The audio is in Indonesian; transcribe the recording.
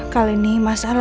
kali ini mas al lagi lelah